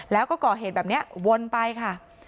แล้วก็ก่อเหตุแบบนี้วนไปค่ะ